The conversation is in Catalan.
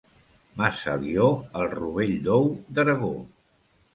Massalió, el rovell d'ou d'Aragó.